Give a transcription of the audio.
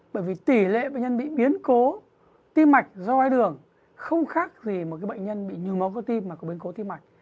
bởi vì tỷ lệ bệnh nhân bị biến cố tim mạch doi đường không khác gì một bệnh nhân bị nhồi máu cơ tim mà có biến cố tim mạch